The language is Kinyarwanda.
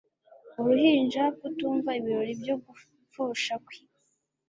Uruhinja kutumva ibirori byo gupfusha kwe